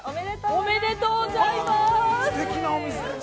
おめでとうございます。